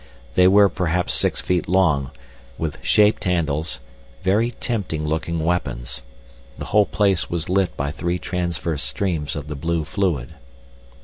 They were perhaps six feet long, with shaped handles, very tempting looking weapons. The whole place was lit by three transverse streams of the blue fluid.